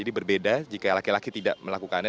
terima kasih pak